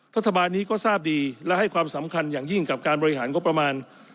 รัฐบาลนี้ก็ทราบดีและให้ความสำคัญอย่างยิ่งกับการบริหารงบประมาณ